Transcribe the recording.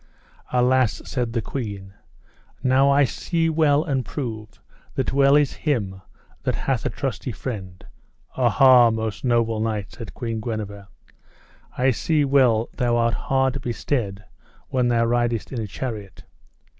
Alas, said the queen, now I see well and prove, that well is him that hath a trusty friend. Ha, ha, most noble knight, said Queen Guenever, I see well thou art hard bestead when thou ridest in a chariot.